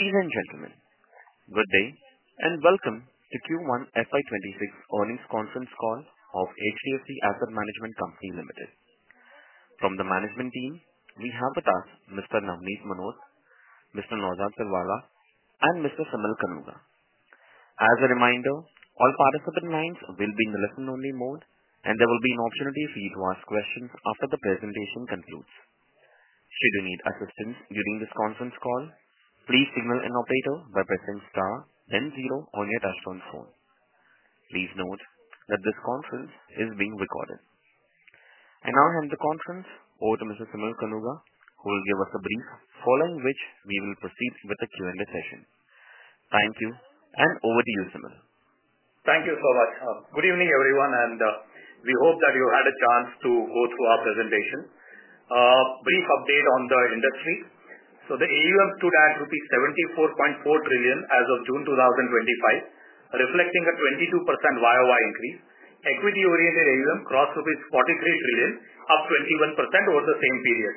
Ladies and gentlemen, good day and welcome to Q1 FY 2026 earnings conference call of HDFC Asset Management Company Limited. From the management team, we have with us Mr. Navneet Munot, Mr. Naozad Sirwalla, and Mr. Simal Kanuga. As a reminder, all participant lines will be in the listen-only mode, and there will be an opportunity for you to ask questions after the presentation concludes. Should you need assistance during this conference call, please signal an operator by pressing star, then zero on your touch-tone phone. Please note that this conference is being recorded, and now I hand the conference over to Mr. Simal Kanuga, who will give us a brief, following which we will proceed with the Q&A session. Thank you, and over to you, Simal. Thank you so much. Good evening, everyone, and we hope that you had a chance to go through our presentation. A brief update on the industry. So the AUM stood at INR 74.4 trillion as of June 2025, reflecting a 22% YoY increase. Equity-oriented AUM crossed 43 trillion, up 21% over the same period.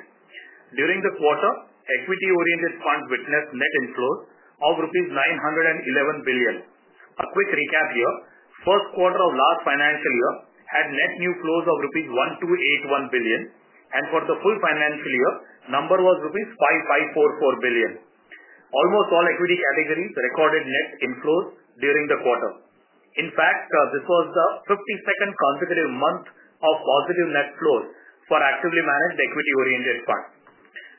During the quarter, equity-oriented funds witnessed net inflows of rupees 911 billion. A quick recap here: first quarter of last financial year had net new flows of rupees 1281 billion, and for the full financial year, the number was rupees 5544 billion. Almost all equity categories recorded net inflows during the quarter. In fact, this was the 52nd consecutive month of positive net flows for actively managed equity-oriented funds.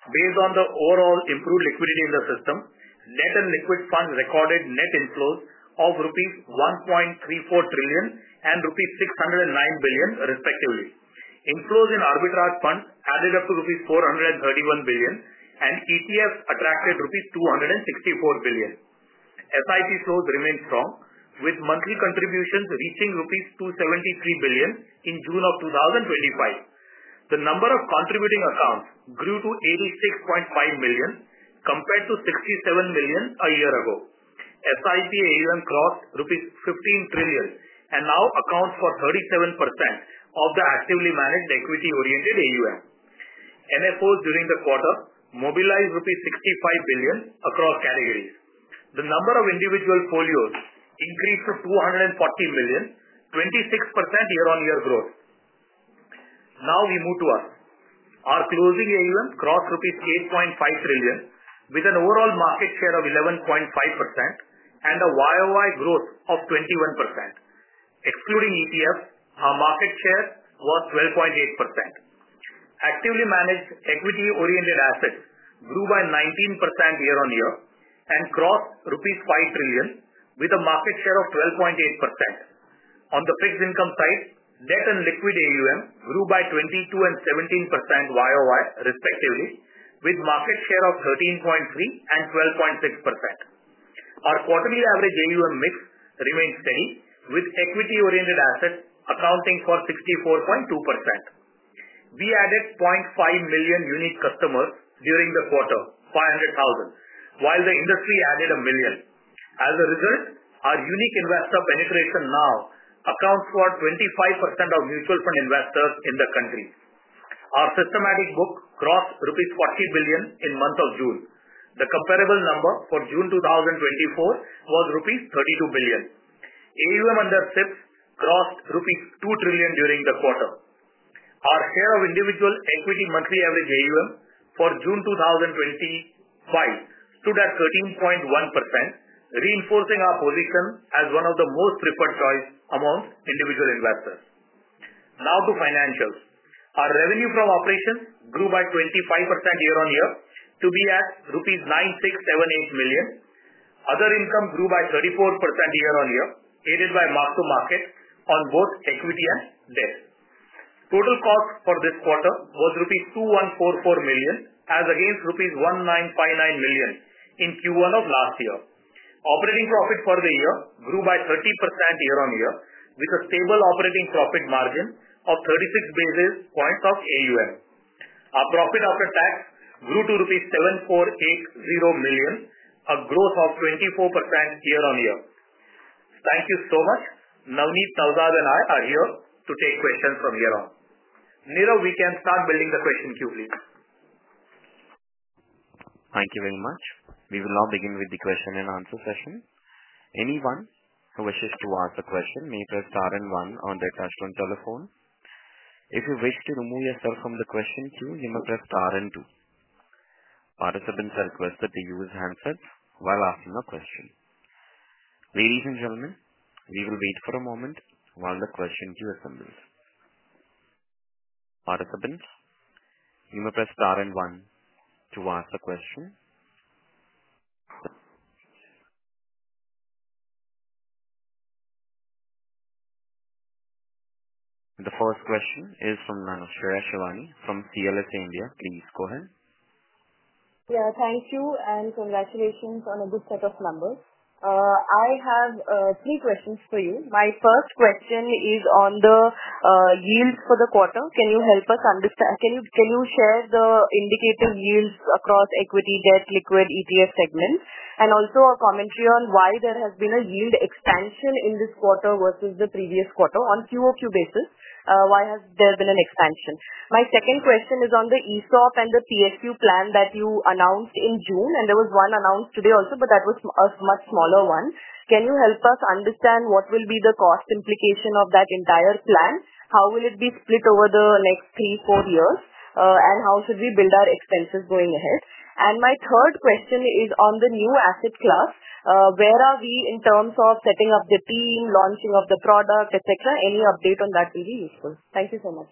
Based on the overall improved liquidity in the system, debt and liquid funds recorded net inflows of rupees 1.34 trillion and rupees 609 billion, respectively. Inflows in arbitrage funds added up to rupees 431 billion, and ETFs attracted rupees 264 billion. SIP flows remained strong, with monthly contributions reaching rupees 273 billion in June of 2025. The number of contributing accounts grew to 86.5 million compared to 67 million a year ago. SIP AUM crossed rupees 15 trillion and now accounts for 37% of the actively managed equity-oriented AUM. NFOs during the quarter mobilized rupees 65 billion across categories. The number of individual folios increased to 240 million, 26% year-on-year growth. Now we move to us. Our closing AUM crossed 8.5 trillion, with an overall market share of 11.5% and a YoY growth of 21%. Excluding ETFs, our market shares were 12.8%. Actively managed equity-oriented assets grew by 19% year-on-year and crossed rupees 5 trillion, with a market share of 12.8%. On the fixed income side, debt and liquid AUM grew by 22% and 17% YoY, respectively, with market share of 13.3% and 12.6%. Our quarterly average AUM mix remained steady, with equity-oriented assets accounting for 64.2%. We added 0.5 million unique customers during the quarter, 500,000, while the industry added a million. As a result, our unique investor penetration now accounts for 25% of mutual fund investors in the country. Our systematic book crossed rupees 40 billion in the month of June. The comparable number for June 2024 was rupees 32 billion. AUM under SIPs crossed rupees 2 trillion during the quarter. Our share of individual equity monthly average AUM for June 2025 stood at 13.1%, reinforcing our position as one of the most preferred choice amongst individual investors. Now to financials. Our revenue from operations grew by 25% year-on-year to be at rupees 9678 million. Other income grew by 34% year-on-year, aided by mark-to-market on both equity and debt. Total cost for this quarter was rupees 2144 million, as against rupees 1959 million in Q1 of last year. Operating profit for the year grew by 30% year-on-year, with a stable operating profit margin of 36 basis points of AUM. Our profit after tax grew to rupees 7480 million, a growth of 24% year-on-year. Thank you so much. Navneet, Naozad and I are here to take questions from here on. Neerav, we can start building the question queue, please. Thank you very much. We will now begin with the question and answer session. Anyone who wishes to ask a question may press star and one on their touch-tone telephone. If you wish to remove yourself from the question queue, you may press star and two. Participants are requested to use handsets while asking a question. Ladies and gentlemen, we will wait for a moment while the question queue assembles. Participants, you may press star and one to ask a question. The first question is from line of Shreya Shivani from CLSA India. Please go ahead. Yeah, thank you, and congratulations on a good set of numbers. I have three questions for you. My first question is on the yields for the quarter. Can you help us understand? Can you share the indicative yields across equity, debt, liquid ETF segments, and also a commentary on why there has been a yield expansion in this quarter versus the previous quarter on a QoQ basis? Why has there been an expansion? My second question is on the ESOP and the PSU plan that you announced in June, and there was one announced today also, but that was a much smaller one. Can you help us understand what will be the cost implication of that entire plan? How will it be split over the next three, four years, and how should we build our expenses going ahead? And my third question is on the new asset class. Where are we in terms of setting up the team, launching of the product, etc.? Any update on that will be useful. Thank you so much.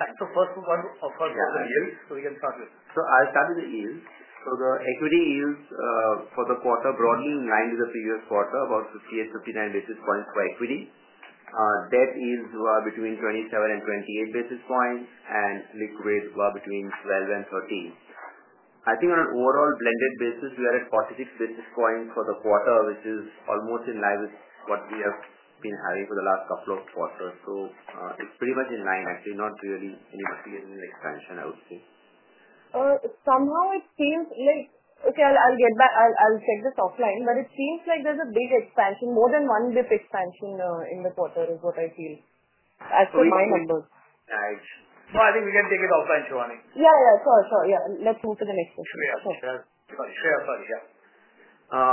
The first one of our different yields, we can start with. So I'll start with the yield. So the equity yields for the quarter broadly align with the previous quarter, about 58.59 basis points for equity. Debt yields were between 27 and 28 basis points, and liquid was between 12 and 13. I think on an overall blended basis, we are at 46 basis points for the quarter, which is almost in line with what we have been having for the last couple of quarters. So it's pretty much in line, actually. Not really need of any expansion, I would say. Somehow it seems like, okay, I'll get back. I'll take this offline, but it seems like there's a big expansion, more than one big expansion in the quarter is what I feel as per my numbers. So I think we can take it offline, Shivani. Yeah, yeah, sure, sure. Yeah, let's move to the next question. Yeah, sure. Yeah.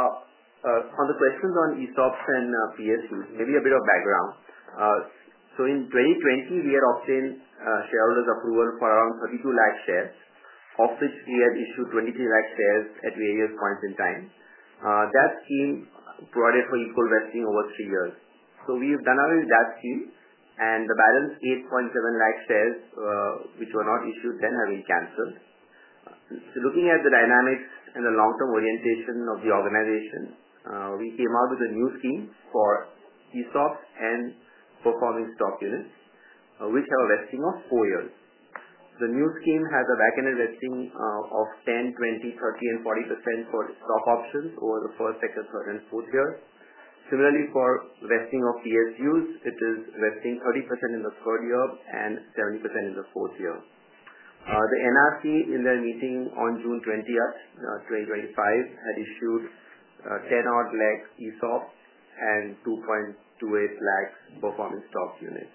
On the questions on ESOPs and PSUs, maybe a bit of background. So in 2020, we had obtained shareholders' approval for around 32 lakh shares, of which we had issued 23 lakh shares at various points in time. That scheme provided for equal vesting over three years. So we've done our vesting scheme, and the balance, 8.7 lakh shares, which were not issued then, have been canceled. Looking at the dynamics and the long-term orientation of the organization, we came out with a new scheme for ESOPs and for common stock units, which have a vesting of four years. The new scheme has a back-end vesting of 10%, 20%, 30%, and 40% for stock options over the first, second, third, and fourth years. Similarly, for vesting of PSUs, it is vesting 30% in the third year and 70% in the fourth year. The NRC, in their meeting on June 20th, 2025, had issued 10-odd lakh ESOP and 2.28 lakh performance stock units.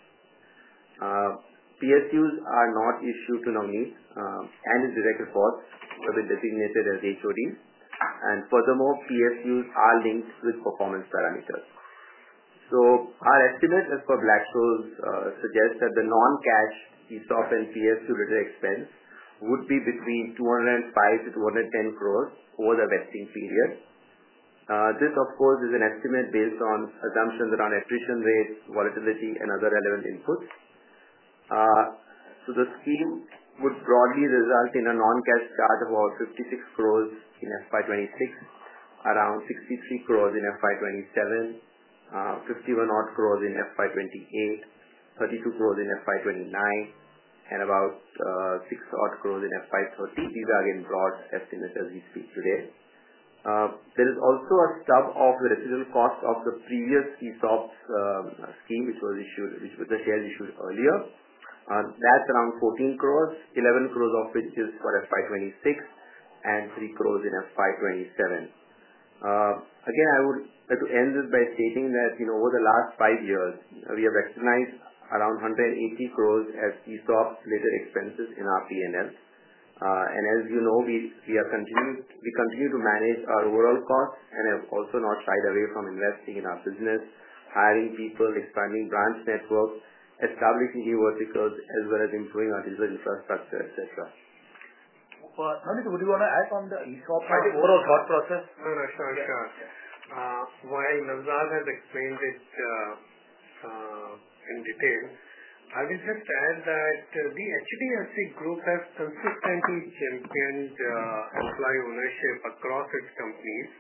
PSUs are not issued to Navneet and his direct report, but they're designated as HODs. And furthermore, PSUs are linked with performance parameters. So our estimate as per Blackstone's suggests that the non-cash ESOP and PSU share expense would be between 205 crores- 210 crores over the vesting period. This, of course, is an estimate based on assumptions around attrition rates, volatility, and other relevant inputs. So the scheme would broadly result in a non-cash charge of about 56 crores in FY 2026, around 63 crores in FY 2027, 51-odd crores in FY 2028, 32 crores in FY 2029, and about 6-odd crores in FY 2030. These are in broad estimates as we speak today. There is also a stub of the residual cost of the previous ESOP scheme, which was issued, which was a share issued earlier. That's around 14 crores, 11 crores of which is for FY 2026, and 3 crores in FY 2027. Again, I would like to end this by stating that over the last five years, we have expensed around 180 crores as ESOP share expenses in our P&L. And as you know, we continue to manage our overall costs and have also not shied away from investing in our business, hiring people, expanding branch networks, establishing key verticals, as well as improving our digital resource structures as well. Navneet, would you want to add on the ESOP overall thought process? Sure, sure, sure. While Naozad has explained this in detail, I will just add that we HDFC Group hass consistently champion employee ownership across its companies.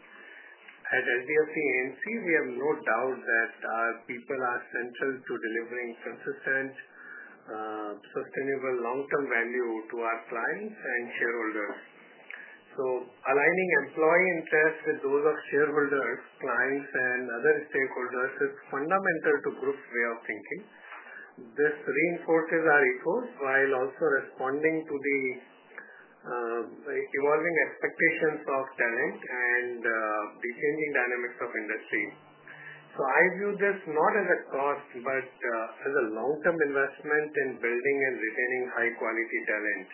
At HDFC AMC, we have no doubt that our people are central to delivering consistent sustainable long-term value to our clients and shareholders, so aligning employee interests with those of shareholders, clients, and other stakeholders is fundamental to Group's way of thinking. This reinforces our efforts while also responding to the evolving expectations of talent and the changing dynamics of industry, so I view this not as a cost, but as a long-term investment in building and retaining high-quality talent.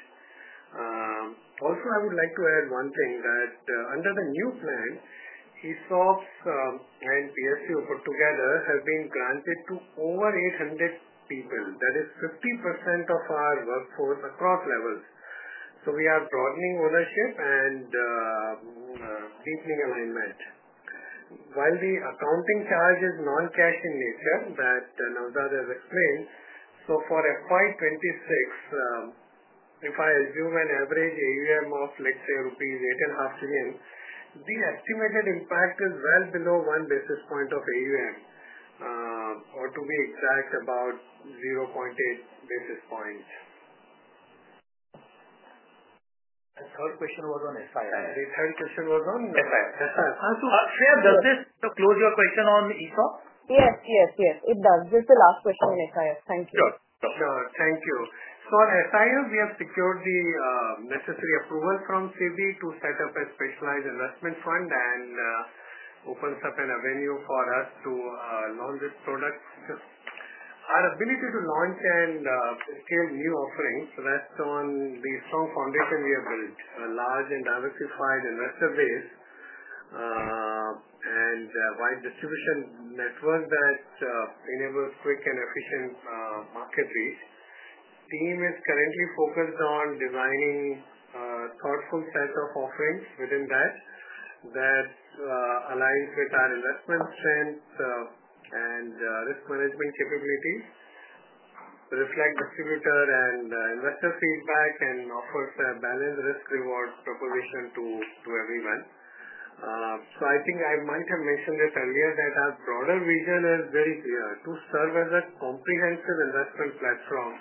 Also, I would like to add one thing that under the new plan, ESOPs and PSUs put together have been granted to over 800 people. That is 50% of our workforce across levels, so we are broadening ownership and deepening alignment. While the accounting charge is non-cash in HDFC that Navneet has explained, so for FY 2026. If I assume an average AUM of, let's say, rupees 8.5 trillion, the estimated impact is well below one basis point of AUM. Or to be exact, about 0.8 basis points. The third question was on SIF. The third question was on SIF. So, Shiva, does this close your question on ESOP? Yes, yes, yes. It does. This is the last question on SIF. Thank you. Sure. Thank you. So on AIFs, we have secured the necessary approval from SEBI to set up a specialized investment fund and opened up an avenue for us to launch its products. Our ability to launch and scale new offerings rests on the strong foundation we have built, a large and diversified investor base and wide distribution network that enables quick and efficient market reach. The team is currently focused on designing thoughtful sets of offerings within that that aligns with our investment strength and risk management capabilities. Reflects distributor and investor feedback, and offers a balanced risk-reward proposition to everyone. So I think I might have mentioned this earlier, that our broader vision is very clear: to serve as a comprehensive investment platform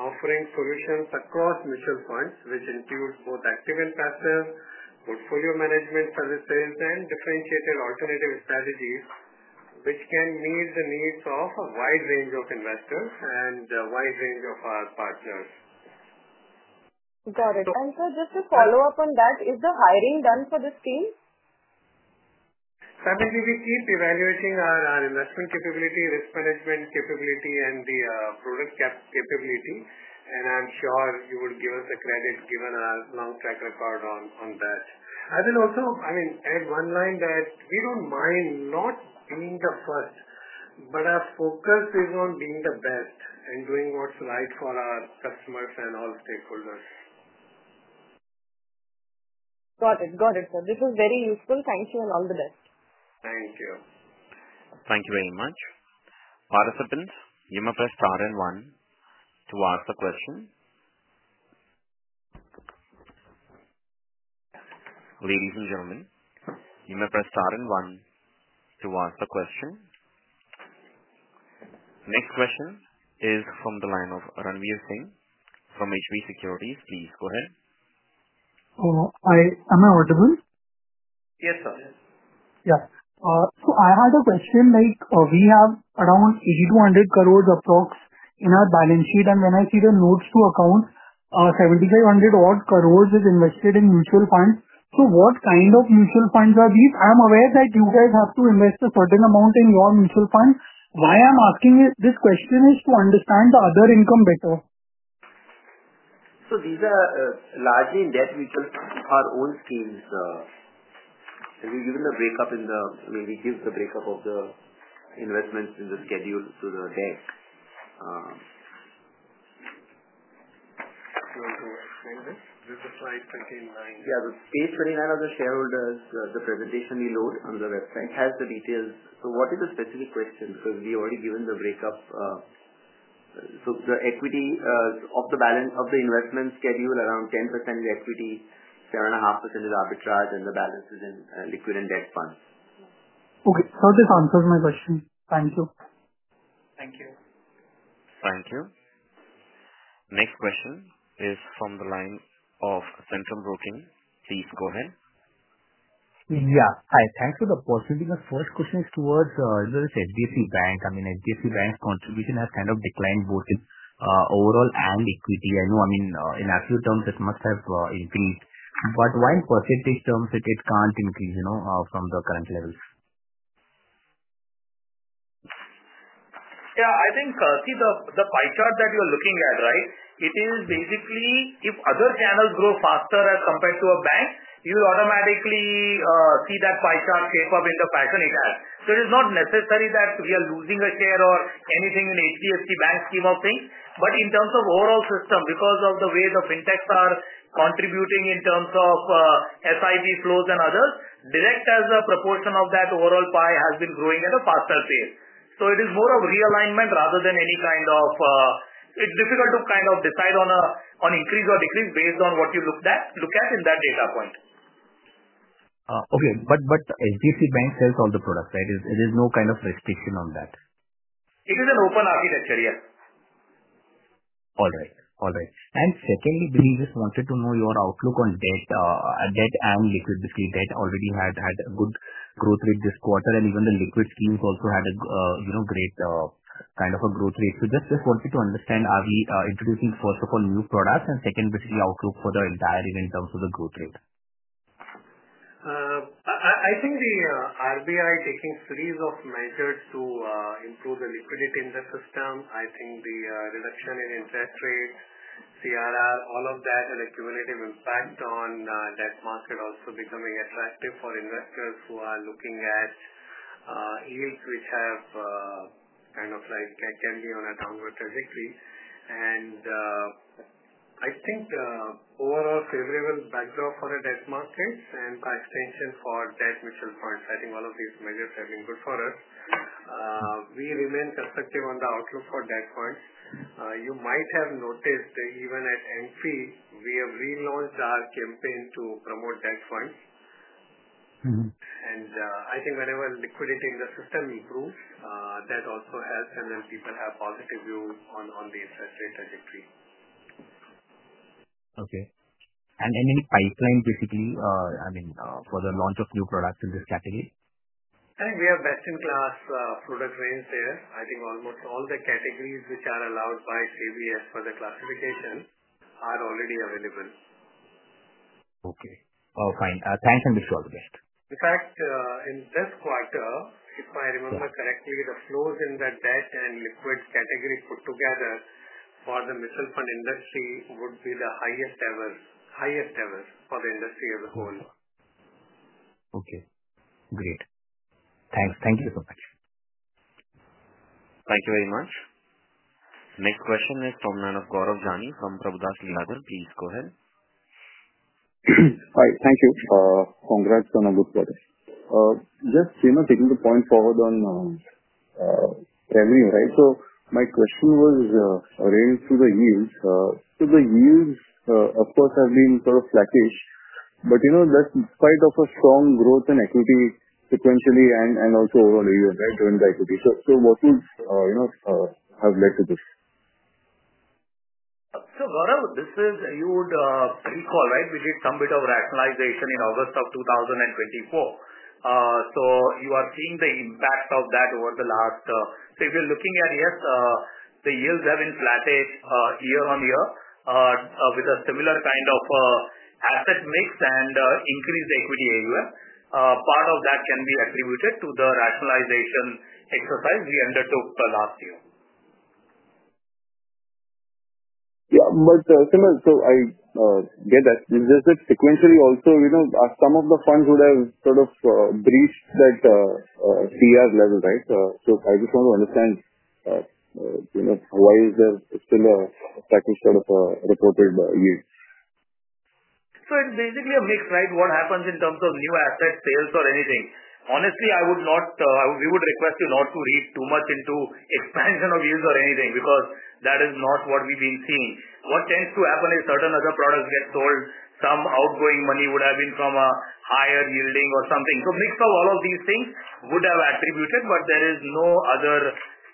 offering solutions across mutual funds, which includes both active and passive portfolio management services and differentiated alternative strategies, which can meet the needs of a wide range of investors and a wide range of our partners. Got it. And sir, just to follow up on that, is the hiring done for this team? So, I mean, we keep evaluating our investment capability, risk management capability, and the product capability. And I'm sure you will give us a credit given our long track record on that. I will also, I mean, add one line that we don't mind not being the first, but our focus is on being the best and doing what's right for our customers and all stakeholders. Got it, got it. Sir, this was very useful. Thank you and all the best. Thank you. Thank you very much. Participants, you may press star and one to ask the question. Ladies and gentlemen, you may press star and one to ask the question. Next question is from the line of Ranveer Singh from HB Securities. Please go ahead. Hello? Am I audible? Yes, sir. Yes. So I had a question. We have around 8,200 crores approximately in our balance sheet, and then I see the notes to accounts, 7,500 odd crores is invested in mutual funds. So what kind of mutual funds are these? I'm aware that you guys have to invest a certain amount in your mutual fund. Why I'm asking this question is to understand the other income better. So these are largely index mutual funds, our own schemes. Have you given a breakup in the, maybe give the breakup of the investments in the schedule to the deck? All right. This is page 29. Yeah, the page 29 of the shareholders, the presentation we load on the website has the details. So what is the specific question? So we already given the breakup. So the equity of the balance of the investment schedule around 10% is equity, 7.5% is arbitrage, and the balance is in liquid and debt funds. Okay. So this answers my question. Thank you. Thank you. Thank you. Next question is from the line of Centrum Broking. Please go ahead. Yeah. Hi. Thanks for the opportunity. The first question is towards HDFC Bank. I mean, HDFC Bank's contribution has kind of declined both in overall and equity. I know, I mean, in absolute terms, it must have increased. But why in percentage terms it can't increase from the current levels? Yeah, I think, Sarthi, the pie chart that you're looking at, right, it is basically, if other channels grow faster as compared to a bank, you automatically see that pie chart shape up with the fashion it has. So it is not necessary that we are losing a share or anything in HDFC Bank's scheme of things. But in terms of overall system, because of the way the fintechs are contributing in terms of SIP flows and others, direct as a proportion of that overall pie has been growing at a faster pace. So it is more of realignment rather than any kind of, it's difficult to kind of decide on an increase or decrease based on what you look at in that data point. Okay, but HDFC Bank sells all the products, right? There is no kind of restriction on that? It is an open architecture, yes. All right, all right. And secondly, I just wanted to know your outlook on debt and liquidity. Debt already had a good growth rate this quarter, and even the liquid schemes also had a great kind of a growth rate. So just wanted to understand, are we introducing first of all new products and second, basically outlook for the entire year in terms of the growth rate? I think the RBI taking a series of measures to improve the liquidity in the system. I think the reduction in interest rates, CRR, all of that had a cumulative impact on the debt market also becoming attractive for investors who are looking at yields which have kind of like can be on a downward trajectory. I think overall favorable backdrop for the debt market and by extension for debt mutual funds. I think all of these measures have been good for us. We remain constructive on the outlook for debt funds. You might have noticed even at AMFI, we have relaunched our campaign to promote debt funds. I think whenever liquidity in the system improves, that also helps and then people have positive views on the interest rate trajectory. Okay, and any pipeline basically, I mean, for the launch of new products in this category? I think we have best-in-class product range here. I think almost all the categories which are allowed by SEBI for the classification are already available. Okay. All fine. Thanks, and wish you all the best. In fact, in this quarter, if I remember correctly, the flows in the debt and liquid category put together for the mutual fund industry would be the highest ever, highest ever for the industry as a whole. Okay. Great. Thanks. Thank you so much. Thank you very much. Next question is from line of Gaurav Jani from Prabhudas Lilladher. Please go ahead. Hi. Thank you. Congrats on a good product. Just, you know, taking the point forward on revenue, right? So my question was around the yields. So the yields upwards have been sort of flattish. But, you know, that's despite of a strong growth in equity sequentially and also overall, right, during the equity. So what is, you know, have led to this? So Gaurav, this is, you would recall, right, we did some bit of rationalization in August of 2024. So you are seeing the impact of that over the last, so if you're looking at, yes, the yields have been flattish year on year. With a similar kind of asset mix and increased equity as well. Part of that can be attributed to the rationalization exercise we undertook last year. Yeah, but Simal, so I get that. Is this sequentially also, you know, some of the funds would have sort of breached that AUM level, right? So I just want to understand. Why is there still a type of sort of reported yield? So it's basically a mix, right? What happens in terms of new asset sales or anything. Honestly, I would not, we would request you not to read too much into expansion of yields or anything because that is not what we've been seeing. What tends to happen is certain other products get sold, some outgoing money would have been from a higher yielding or something. So a mix of all of these things would have attributed, but there is no other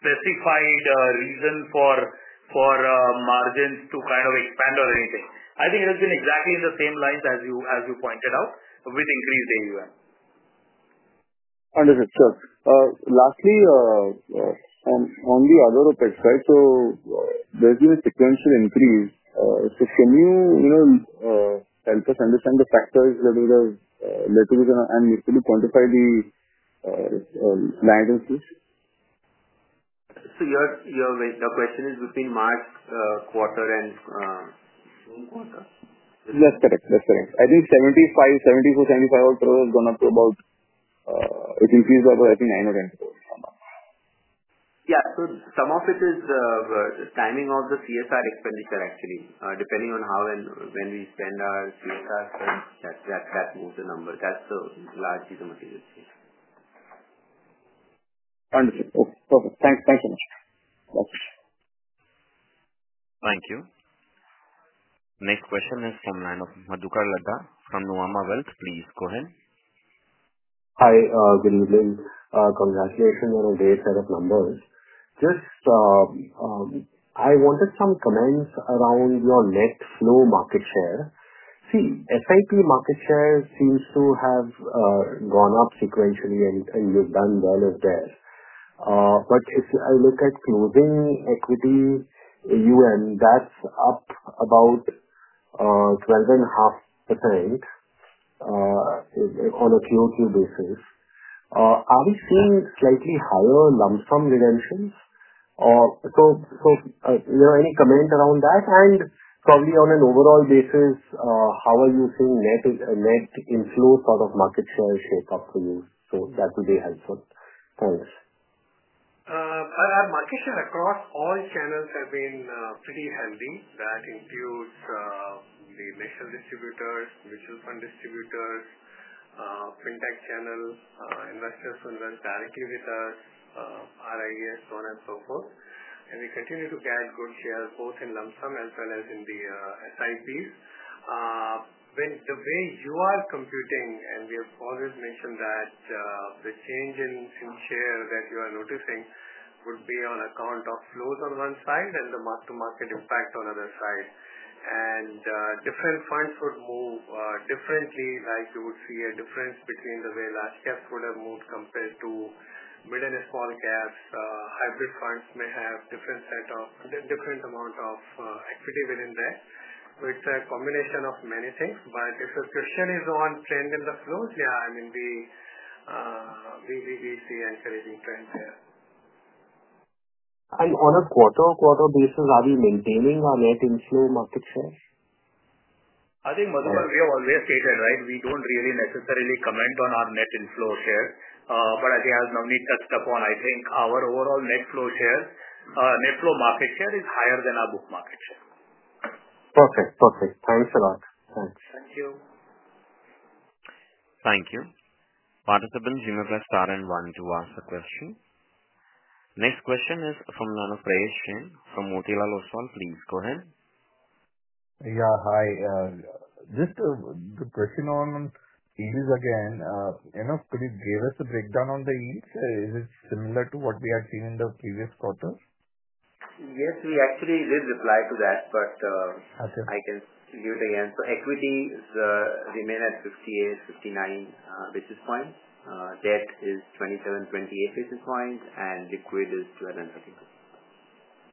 specified reason for margins to kind of expand or anything. I think it has been exactly in the same lines as you pointed out with increased AUM. Understood. Sure. Lastly. On the other OpEx, right? So there's been a sequential increase. So can you help us understand the factors that either led to and quantify the largest? So your question is between March quarter and June quarter? That's correct. I think 75, 74, 75 quarter is going up to about. It increased by about, I think, nine or 10. Yeah. So some of it is the timing of the CSR expenditure, actually. Depending on how and when we spend our CSR, that's the total number. That's largely the material change. Understood. Perfect. Thank you. Thank you. Next question is from Madhukar Ladda from Nuvama Wealth. Please go ahead. Hi, Guruji. Congratulations on a great set of numbers. I wanted some comments around your net flow market share. See, SIP market share seems to have gone up sequentially, and you've done well up there. But if I look at closing equity AUM, that's up about 12.5%. On a Q2 basis. Are we seeing slightly higher lump sum redemptions? Any comment around that? And probably on an overall basis, how are you seeing net inflows out of market share for customers? So that would be helpful. Thanks. Our market share across all channels has been pretty healthy. That includes the national distributors, mutual fund distributors. Fintech channel, investors who invest directly with us. RIAs, so on and so forth. And we continue to get good share both in lump sum as well as in the SIPs. The way you are computing, and we have already mentioned that. The change in share that you are noticing would be on account of flows on one side and the mark-to-market impact on the other side. And different funds would move differently, like you would see a difference between the way large caps would have moved compared to mid and small caps. Hybrid funds may have different set of, different amount of equity within there. It's a combination of many things, but if a question is on trend in the flows, yeah, I mean, we see an encouraging trend there. On a quarter-on-quarter basis, are we maintaining our net inflow market share? I think, Madhukar, we have always stated, right, we don't really necessarily comment on our net inflow share. But as you have aptly touched upon, I think our overall net flow share, net flow market share is higher than our book market share. Perfect. Perfect. Thanks a lot. Thank you. Thank you. Participants, you may press star and one to ask a question. Next question is from line of Prayesh Jain from Motilal Oswal. Please go ahead. Yeah, hi. Just the question on yields again. You know, could you give us a breakdown on the yields? Is it similar to what we have seen in the previous quarters? Yes, we actually did reply to that, but I can give it again. So equities remain at 58-59 basis points. Debt is 27-28 basis points, and liquid is 12 and 32.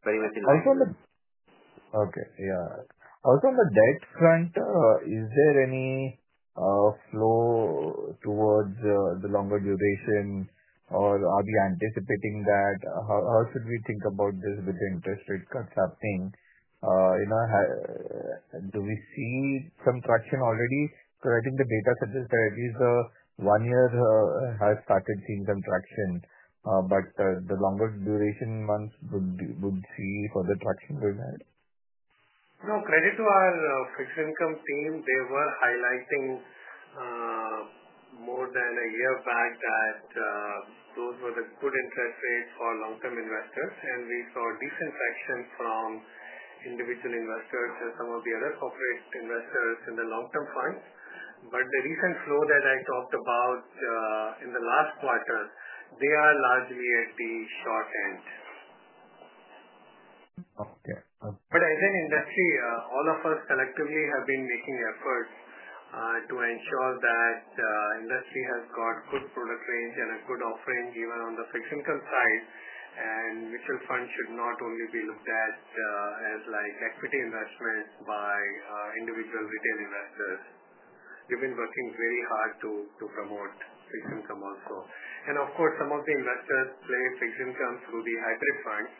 Very much in line. Okay. Yeah. Out on the debt front, is there any flow towards the longer duration, or are we anticipating that? How should we think about this with the interest rate cuts happening? Do we see some traction already? Correcting the data suggests that at least the one-year have started seeing some traction. But the longer duration months would see further traction with that? No, credit to our fixed income team, they were highlighting more than a year back that those were the good interest rates for long-term investors, and we saw a decent traction from individual investors and some of the other corporate investors in the long-term funds, but the recent flow that I talked about in the last quarter, they are largely at the short end. Okay. But as an industry, all of us collectively have been making efforts to ensure that. Industry has got good product range and a good offering even on the fixed income side. And mutual funds should not only be looked at as like equity investments by individual retail investors. We've been working very hard to promote fixed income also. And of course, some of the investors play fixed income through the hybrid funds.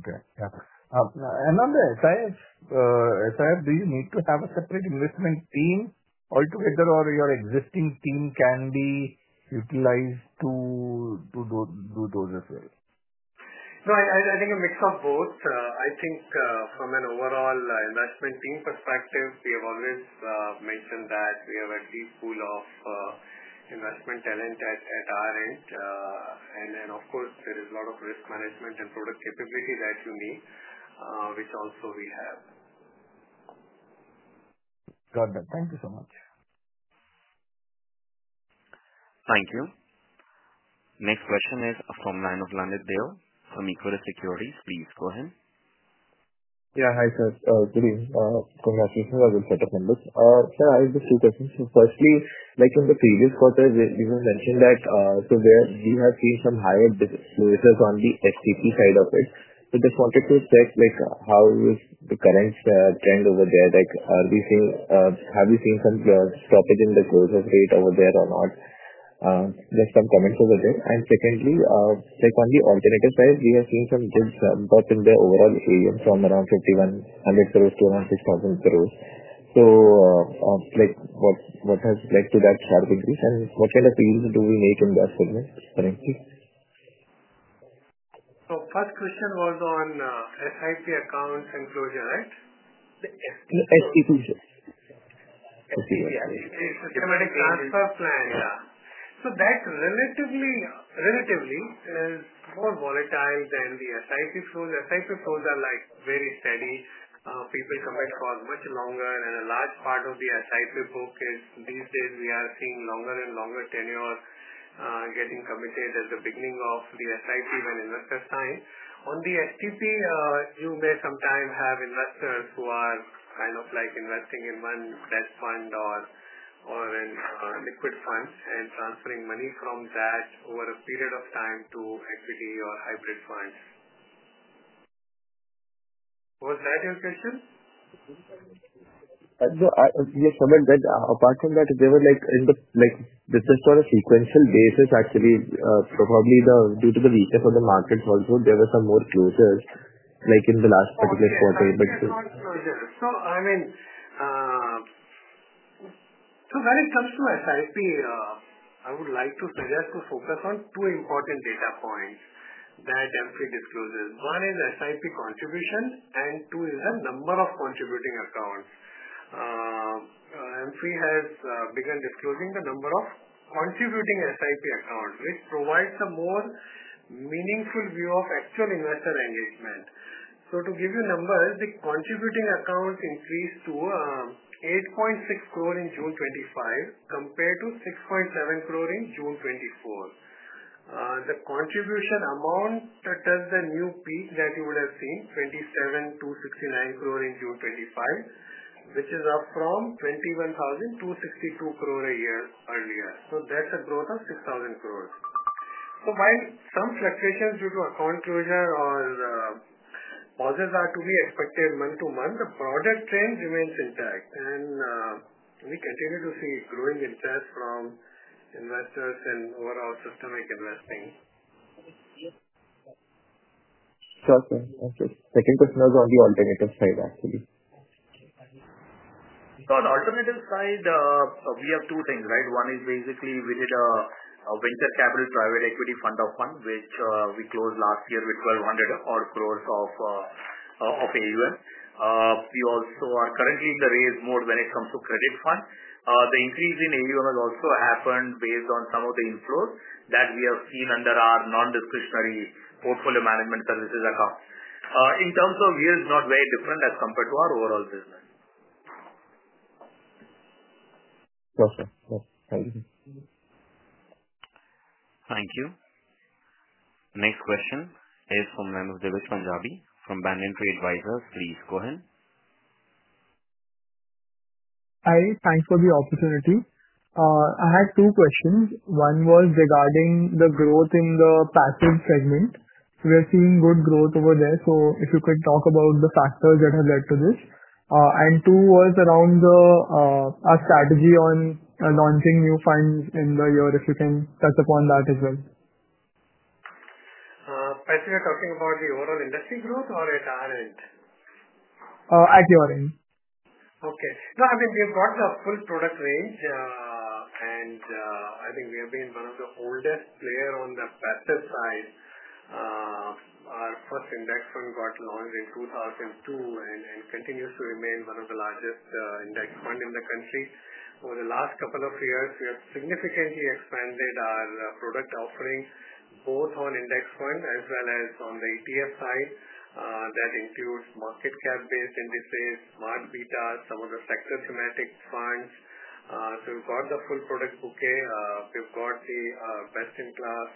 Okay. Yeah. Anand, SIF, do you need to have a separate investment team altogether, or your existing team can be utilized to do those as well? So I think a mix of both. I think from an overall investment team perspective, we have always mentioned that we have a deep pool of investment talent at our end. And then, of course, there is a lot of risk management and product capability that you need, which also we have. Got it. Thank you so much. Thank you. Next question is from line of Lalit Deo from Equirus Securities. Please go ahead. Yeah, hi, sir. Guruji, congratulations on the setup on this. Sir, I have just two questions. Firstly, like in the previous quarter, you have mentioned that we have seen some higher basis on the STP side of it. From Q2 to Q3, how is the current trend over there? Are we seeing some stoppage in the growth rate over there or not? Just some comments over there. And secondly, on the alternative side, we have seen some good growth in the overall AUM from around 4,100 crores to around 6,000 crores. So. What has led to that increase? And what kind of yield do we need on that segment currently? So, first question was on SIP account and closure, right? STP closure. STP closure. Yeah. It's a specific transfer plan. Yeah. So that relatively is more volatile than the STP flows. STP flows are like very steady. People commit for much longer. And a large part of the SIP book is these days we are seeing longer and longer tenures getting committed at the beginning of the SIP when investors sign. On the STP, you may sometimes have investors who are kind of like investing in one plus fund or liquid funds and transferring money from that over a period of time to equity or hybrid funds. Was that your question? Yeah. You comment that apart from that, they were like different on a sequential basis, actually. Probably due to the weakness of the markets also, there were some more closures like in the last particular quarter. There were more closures. So, I mean. So when it comes to SIP, I would like to suggest to focus on two important data points that AMFI discloses. One is SIP contribution, and two is the number of contributing accounts. AMFI has begun disclosing the number of contributing SIP accounts, which provides a more meaningful view of actual investor engagement. So to give you numbers, the contributing accounts increased to 8.6 crore in June 2025 compared to 6.7 crore in June 2024. The contribution amount tells the new peak that you would have seen, 27,269 crore in June 2025, which is up from 21,262 crore a year earlier. So that's a growth of 6,000 crores. So while some fluctuations due to account closure or pauses are to be expected month to month, the broader trend remains intact, and we continue to see growing interest from investors and overall systemic investing. Okay. Okay. Second question is on the alternative side, actually. So on the alternative side, we have two things, right? One is basically we did a venture capital private equity fund of funds, which we closed last year with 1,200 crores of AUM. We also are currently in the raise mode when it comes to credit fund. The increase in AUM has also happened based on some of the inflows that we have seen under our non-discretionary portfolio management services account. In terms of yields, not very different as compared to our overall results. Okay. Thank you. Thank you. Next question is from Divij Punjabi from Banyan Tree Advisors. Please go ahead. Hi. Thanks for the opportunity. I had two questions. One was regarding the growth in the passive segment. So we are seeing good growth over there. So if you could talk about the factors that have led to this. And two was around our strategy on launching new funds in the year, if you can touch upon that as well. Are you talking about the overall industry growth or at our end? At your end. Okay. So I think we've got the full product range. And I think we have been one of the oldest players on the passive side. Our first index fund got launched in 2002 and continues to remain one of the largest index funds in the country. Over the last couple of years, we have significantly expanded our product offering, both on index fund as well as on the ETF side. That includes market cap-based indices, smart betas, some of the sector thematic funds. So we've got the full product bouquet. We've got the best-in-class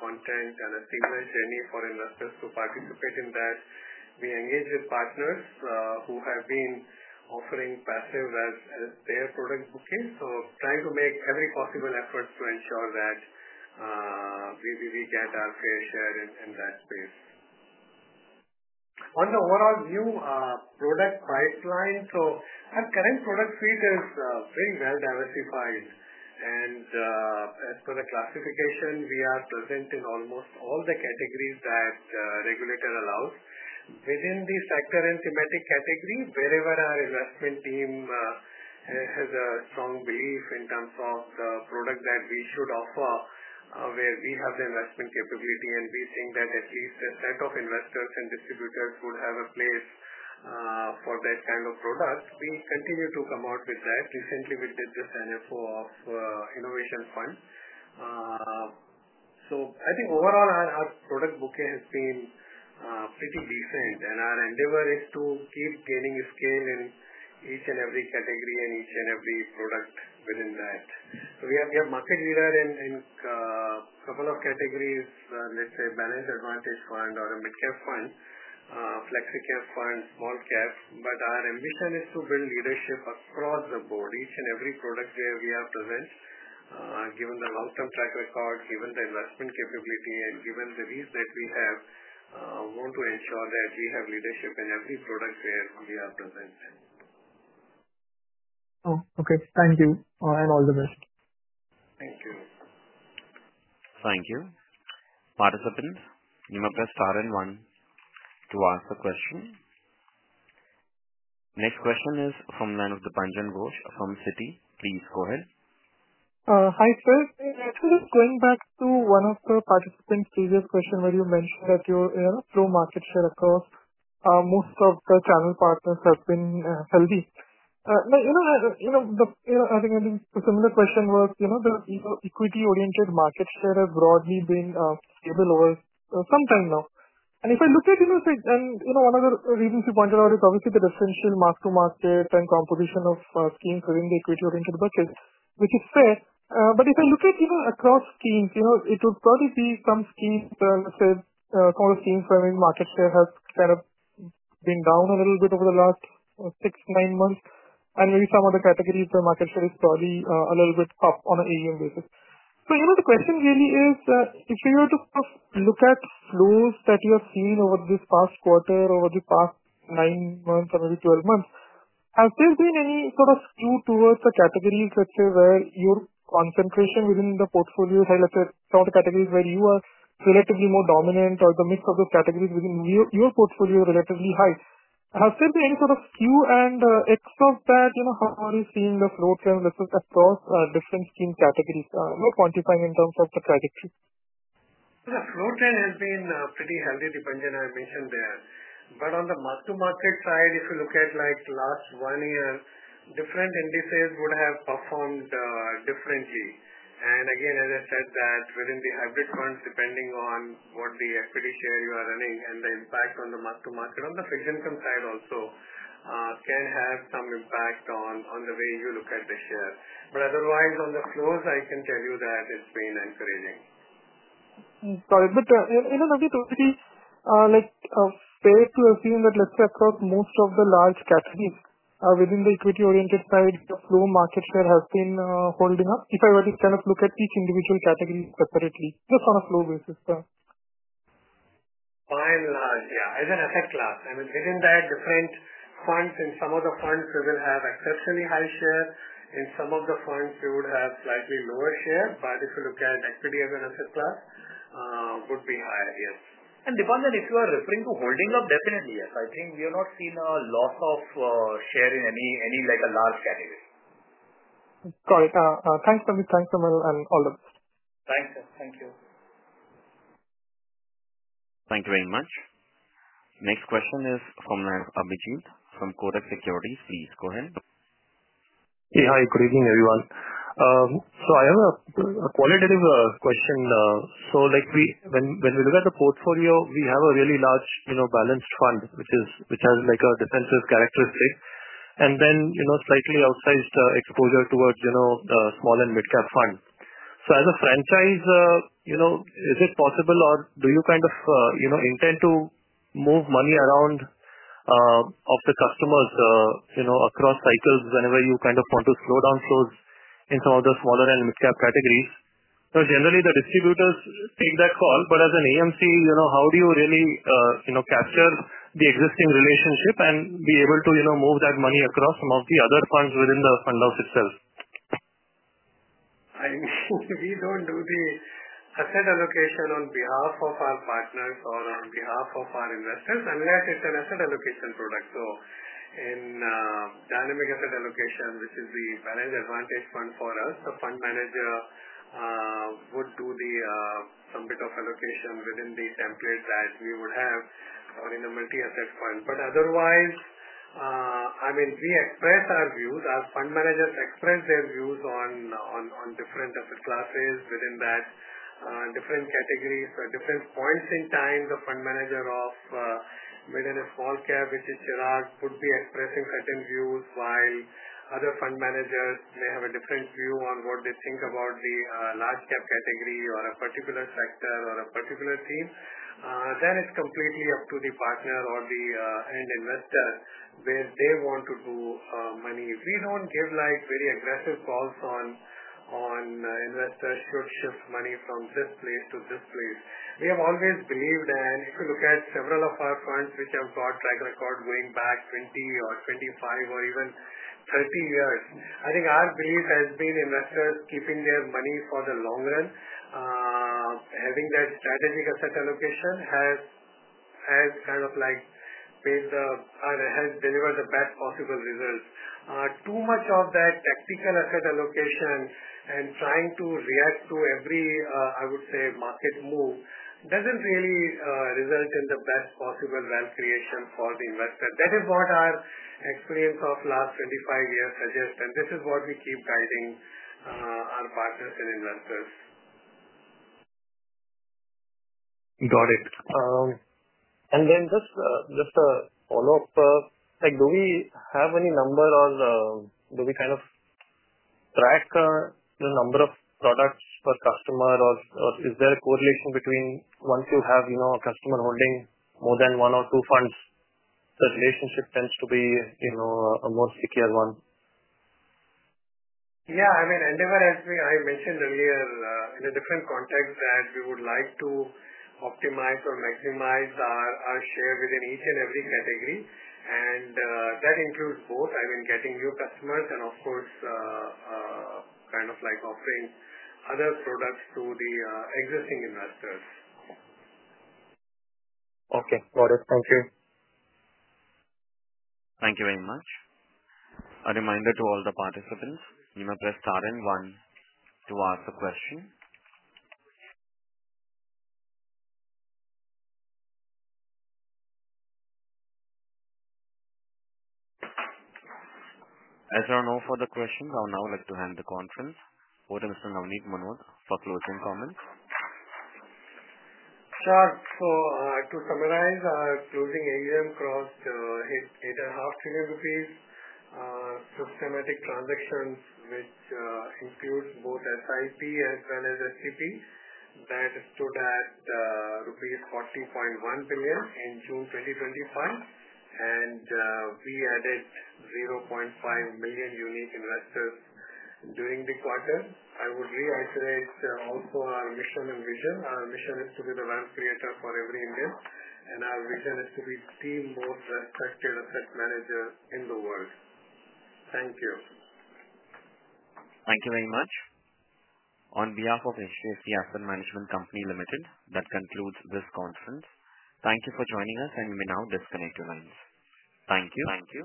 content and a similar journey for investors to participate in that. We engage with partners who have been offering passive as their product bouquet. So trying to make every possible effort to ensure that we get our fair share in that space. On the overall view, product pipeline. So our current product suite is very well diversified. For the classification, we are present in almost all the categories that the regulator allows. Within the sector and thematic category, wherever our investment team has a strong belief in terms of the product that we should offer. Where we have the investment capability and we think that at least a set of investors and distributors would have a place for that kind of products, we will continue to come out with that. Recently, we did just an NFO of innovation fund. So I think overall our product bouquet has been pretty decent. And our endeavor is to keep gaining share in each and every category and each and every product within that. So we are market leaders in a couple of categories, let's say Balanced Advantage Fund or a Mid Cap Fund. Flexi Cap Fund, Small Cap. But our ambition is to build leadership across the board. Each and every product we have present. Given the long-term track record, given the investment capability, and given the reason that we have, we want to ensure that we have leadership in every product we have present. Oh, okay. Thank you. All right. All the best. Thank you. Participants, you may press star and one. To ask a question. Next question is from line if Dipanjan Ghosh from Citi. Please go ahead. Hi, sir. So going back to one of the participants' previous question where you mentioned that your flow market share across most of the channel partners have been healthy. You know. I think the similar question was, you know, the equity-oriented market share has broadly been stable over some time now, and if I look at, one of the reasons you pointed out is obviously the different scale mark to market and composition of schemes within the equity-oriented bucket, which is fair, but if I look at across schemes, you know, it would probably be some schemes, let's say, called a scheme-serving market that has kind of been down a little bit over the last six, nine months, and maybe some of the categories of market share is probably a little bit off on an AUM basis, so the question really is, if we were to sort of look at flows that you have seen over this past quarter, over the past nine months or maybe 12 months, has there been any sort of skew towards the categories, let's say, where your concentration within the portfolios, let's say, sort of categories where you are relatively more dominant or the mix of the categories within your portfolio is relatively high? Has there been any sort of skew and extras that, you know, how are you seeing the flow trend, let's say, across different scheme categories, quantifying in terms of the trajectory? The flow trend has been pretty healthy, depending on what I mentioned there, but on the mark-to-market side, if you look at like last one year, different indices would have performed differently. And again, as I said, that within the hybrid funds, depending on what the equity share you are running and the impact on the mark-to-market, on the fixed income side also, can have some impact on the way you look at the share, but otherwise, on the flows, I can tell you that it's been encouraging. Got it. But in another way, like fair to assume that, let's say, across most of the large categories within the equity-oriented side, the flow market share has been holding up? If I were to kind of look at each individual category separately, just on a flow basis. By and large, yeah, as an asset class, I mean, within that, different funds in some of the funds, we will have exceptionally high share in some of the funds, we would have slightly lower share, but if you look at equity as an asset class, it would be higher, yes, and depending on if you are referring to holding up, definitely, yes. I think we have not seen a loss of share in any large category. Got it. Thanks, Navneet. Thanks, Simal, and all the best. Thanks, sir. Thank you. Thank you very much. Next question is from Abhijeet from Kotak Securities. Please go ahead. Hey, hi. Good evening, everyone. So I have a qualitative question. So when we look at the portfolio, we have a really large balanced fund, which has a defensive characteristic. And then slightly outsized exposure towards small and mid-cap funds. So as a franchise, is it possible or do you kind of intend to move money around of the customers across cycles whenever you kind of want to slow down flows in some of the smaller and mid-cap categories? Because generally, the distributors take that call. But as an AMC, how do you really capture the existing relationship and be able to move that money across some of the other funds within the fund of itself? We don't do the asset allocation on behalf of our partners or on behalf of our investors, and we are an asset allocation product. So in dynamic asset allocation, which is the balanced advantage fund for us, the fund manager would do some bit of allocation within the templates that we would have or in the multi-asset fund, but otherwise, I mean, we express our views. Our fund managers express their views on different asset classes within that, different categories. So at different points in time, the fund manager of mid and small cap, which is Chirag, would be expressing certain views while other fund managers may have a different view on what they think about the large cap category or a particular sector or a particular theme. That is completely up to the partner or the end investor where they want to do money. We don't give very aggressive calls on investors should shift money from this place to this place. We have always believed, and if you look at several of our funds which have got track record going back 20 or 25 or even 30 years, I think our belief has been investors keeping their money for the long run. Having that strategic asset allocation has kind of delivered the best possible results. Too much of that technical asset allocation and trying to react to every, I would say, market move doesn't really result in the best possible wealth creation for the investor. That is what our experience of last 25 years suggests, and this is what we keep guiding our partners and investors. Got it. And then just a follow-up. Do we have any number or do we kind of track the number of products per customer? Or is there a correlation between wanting to have a customer holding more than one or two funds? The relationship tends to be a more secure one. Yeah. I mean, endeavor, as I mentioned earlier, in a different context, that we would like to optimize or maximize our share within each and every category, and that includes both, I mean, getting new customers and, of course, kind of offering other products to the existing investors. Okay. Got it. Thank you. Thank you very much. A reminder to all the participants, you may press star and one to ask a question. As you are known for the questions, I would now like to hand the conference over to Mr. Navneet Munot for closing comments. Sir, so to summarize, our AUM crossed INR 8.5 million. Systematic transactions, which includes both SIP as well as STP, that stood at rupees 14.1 billion in June 2021. And we added 0.5 million unique investors during the quarter. I would reiterate also our mission and vision. Our mission is to be the wealth creator for every Indian. And our vision is to be the most respected asset manager in the world. Thank you. Thank you very much. On behalf of HDFC Asset Management Company Limited, that concludes this conference. Thank you for joining us, and you may now disconnect. Thank you. Thank you.